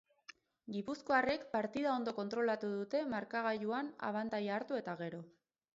Gipuzkoarrek partida ondo kontrolatu dute markagailuan abantaila hartu eta gero.